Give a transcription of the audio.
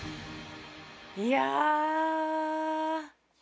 いや。